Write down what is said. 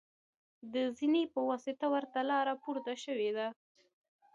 د زینې په واسطه ورته لاره پورته شوې ده.